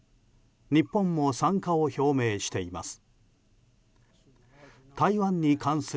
日本も参加を表明しています。